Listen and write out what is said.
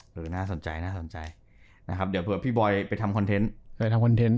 หรือน่าสนใจนะครับเผื่อพี่บ๊อยไปทำคอนเทนต์